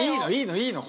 いいの？